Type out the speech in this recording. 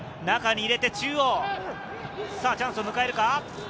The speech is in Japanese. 中に入れて中央、チャンスを迎えるか？